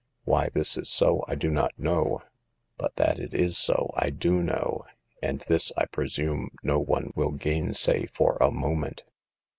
Why this is so I do not know, but that it is so I do know, and this, I presume, no one will gainsay for a moment.